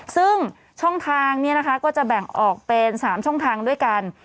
ซึ่งช่องทางนี้นะคะก็จะแบ่งออกเป็น๓ช่องทางด้วยกัน